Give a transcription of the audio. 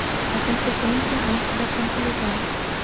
a conseqüência antes da conclusão.